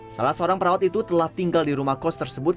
salah seorang perawat itu telah tinggal di rumah kos tersebut